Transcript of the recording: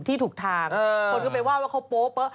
ทีต่างหากคนไปว่าเขาโป๊บ